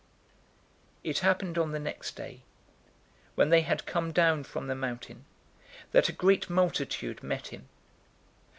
009:037 It happened on the next day, when they had come down from the mountain, that a great multitude met him.